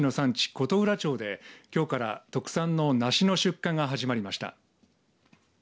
琴浦町できょうから特産の梨の出荷が始まりました。